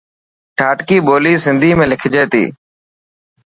ڌاٽڪي ٻولي سنڌي ۾ لکجي ٿي.